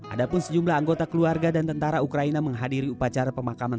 ada pun sejumlah anggota keluarga dan tentara ukraina menghadiri upacara pemakaman